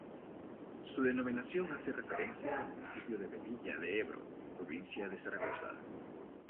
Su denominación hace referencia al municipio de Velilla de Ebro, provincia de Zaragoza.